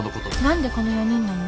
何でこの４人なの？